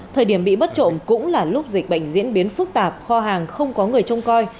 thời điểm bị bất trộm cũng là lúc dịch bệnh diễn biến phức tạp kho hàng không có người trông coi